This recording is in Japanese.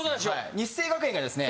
日生学園がですね